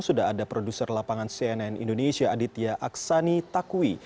sudah ada produser lapangan cnn indonesia aditya aksani takwi